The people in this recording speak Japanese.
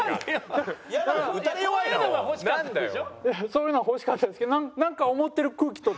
そういうのが欲しかったんですけどなんか思ってる空気と。